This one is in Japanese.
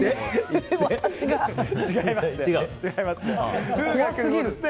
違います。